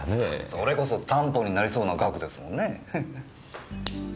それこそ担保になりそうな額ですもんねぇ。